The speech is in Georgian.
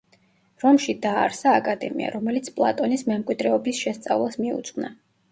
რომში დაარსა აკადემია, რომელიც პლატონის მემკვიდრეობის შესწავლას მიუძღვნა.